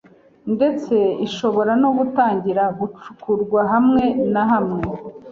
ndetse ishobora no gutangira gucukurwa hamwe na hamwe